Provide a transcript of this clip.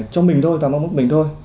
cho mình thôi và mong muốn của mình thôi